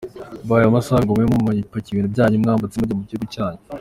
Mbahaye amasaha abiri ngo mube mwapakiye ibintu byanyu mwambutse mujya mu gihugu cyanyu.